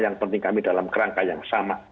yang penting kami dalam kerangka yang sama